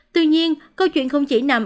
tuy nhiên câu chuyện không chỉ nằm